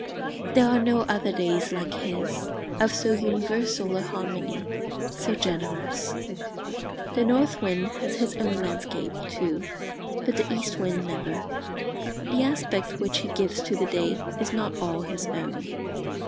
There are no other days like his, of so universal a harmony, so generous. The north wind has his own landscape, too; but the east wind never. The aspect which he gives to the day is not all his own.